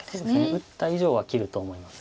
打った以上は切ると思います。